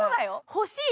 欲しい！